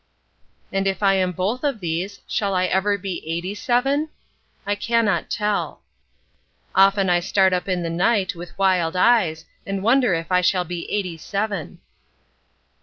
And if I am both of these, shall I ever be eighty seven? I cannot tell. Often I start up in the night with wild eyes and wonder if I shall be eighty seven.